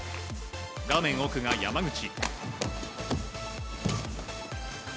画面奥が山口。